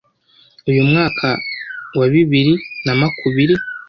uyu mwaka wa bibiri namakubiri